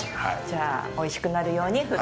じゃあおいしくなるように振って下さい。